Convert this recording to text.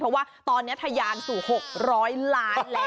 เพราะว่าตอนนี้ทะยานสู่๖๐๐ล้านแล้ว